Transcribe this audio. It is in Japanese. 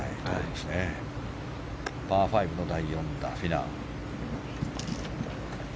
パー５の第４打フィナウ。